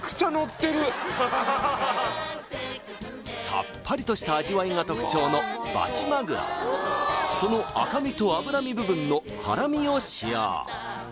さっぱりとした味わいが特徴のバチマグロその赤身と脂身部分のハラミを使用